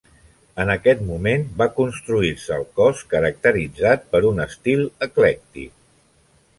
En aquest moment va construir-se el cos caracteritzat per un estil eclèctic.